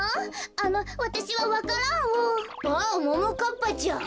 あっももかっぱちゃん。